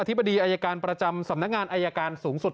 ธิบดีอายการประจำสำนักงานอายการสูงสุด